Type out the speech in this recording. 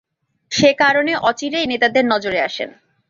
সেকারণে অচিরেই নেতাদের নজরে আসেন।